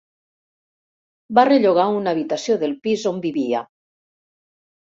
Va rellogar una habitació del pis on vivia.